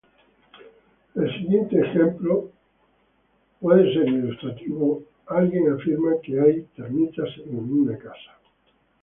El siguiente ejemplo puede ser ilustrativo: alguien afirma que hay termitas en una casa.